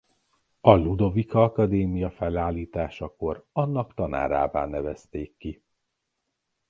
A Ludovika Akadémia felállításakor annak tanárává nevezték ki.